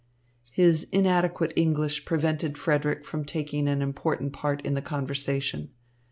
His inadequate English prevented Frederick from taking an important part in the conversation.